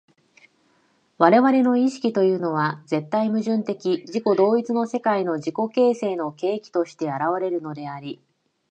我々の意識というのは絶対矛盾的自己同一の世界の自己形成の契機として現れるのであり、